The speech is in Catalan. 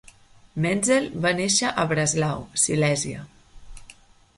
Menzel va néixer a Breslau, Silèsia.